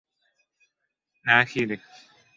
Nähili